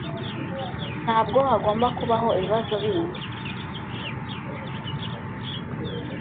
Ntabwo hagomba kubaho ibibazo bindi.